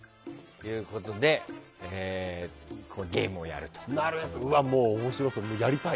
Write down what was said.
ということでゲームをやると。